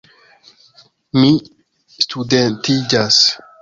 Mi studentiĝas!